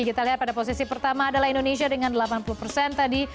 kita lihat pada posisi pertama adalah indonesia dengan delapan puluh persen tadi